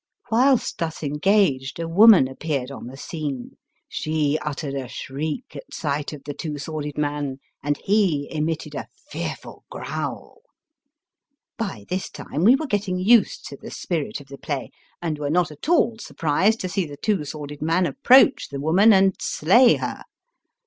Whilst thus engaged a woman appeared on the scene ; she uttered a shriek at sight of the Two Sworded Man, and he emitted a fearful growl. By this time we were getting used to the spirit of the play, and were not at all surprised to see the Two Sworded Man approach the woman and slay her.